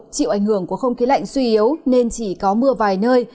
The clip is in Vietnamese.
chịu ảnh hưởng của không khí lạnh suy yếu nên chỉ có mưa vài nơi